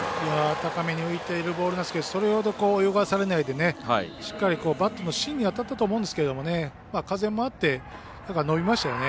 高めに浮いているボールですけどそれほど泳がされないでしっかりバットの芯に当たったと思うんですけどね。